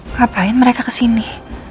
ngapain mereka kesini